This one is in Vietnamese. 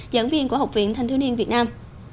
giảng viên của học viện thanh thiếu niên việt nam